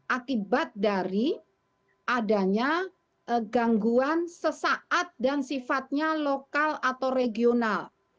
akibat dari adanya gangguan sesaat dan sifatnya lokal atau regional